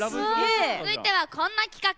続いては、こんな企画。